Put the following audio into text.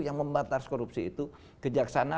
yang membatas korupsi itu kejaksana